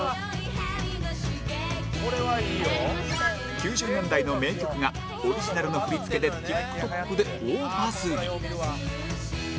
９０年代の名曲がオリジナルの振り付けで ＴｉｋＴｏｋ で大バズり